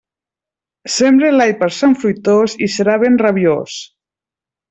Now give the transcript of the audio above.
Sembre l'all per Sant Fruitós i serà ben rabiós.